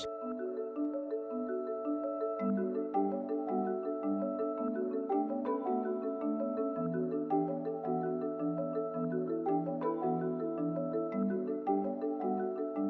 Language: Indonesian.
saya sudah jauh bebas